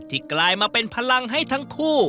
กลายมาเป็นพลังให้ทั้งคู่